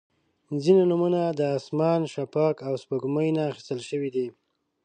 • ځینې نومونه د اسمان، شفق، او سپوږمۍ نه اخیستل شوي دي.